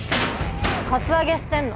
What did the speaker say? カツアゲしてんの？